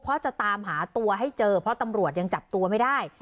เพราะจะตามหาตัวให้เจอเพราะตำรวจยังจับตัวไม่ได้